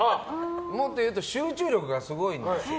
もっというと集中力がすごいんですよ。